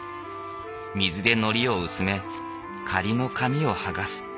水でのりを薄め仮の紙を剥がす。